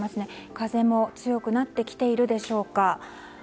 風も強くなってきているでしょうか。